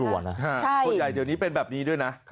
อันนี้น่ากลัวนะคนใหญ่เดี๋ยวนี้เป็นแบบนี้ด้วยนะ